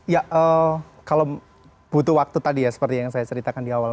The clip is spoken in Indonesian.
ya kalau butuh waktu tadi ya seperti yang saya ceritakan di awal